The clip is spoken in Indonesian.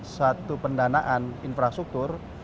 suatu pendanaan infrastruktur